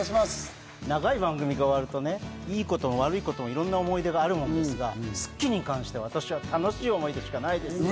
長い番組が終わるとね、良いことも悪いこともいろんな思い出があるものですが、『スッキリ』に関しては私は楽しい思い出しかないです。